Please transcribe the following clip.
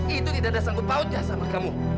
itu tidak ada sanggup bautnya sama kamu